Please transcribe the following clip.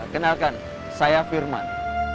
kenalkan saya firman